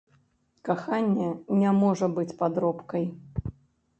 Каханне не можа быць падробкай.